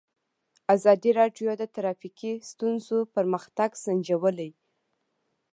ازادي راډیو د ټرافیکي ستونزې پرمختګ سنجولی.